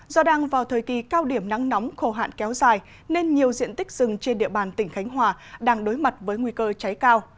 do đang vào thời kỳ cao điểm nắng nóng khổ hạn kéo dài nên nhiều diện tích rừng trên địa bàn tỉnh khánh hòa đang đối mặt với nguy cơ cháy cao